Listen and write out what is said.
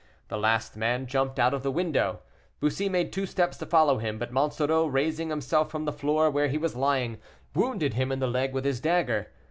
The last man jumped out of the window. Bussy made two steps to follow him, but Monsoreau, raising himself from the floor, where he was lying, wounded him in the leg with his dagger.